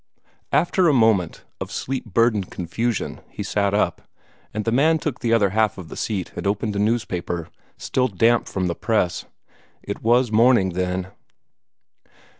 After a moment of sleep burdened confusion, he sat up, and the man took the other half of the seat and opened a newspaper, still damp from the press. It was morning, then.